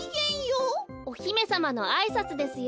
おひめさまのあいさつですよ。